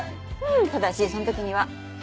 ただしその時には。